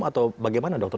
atau bagaimana dokter